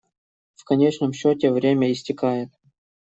В конечном счете время истекает.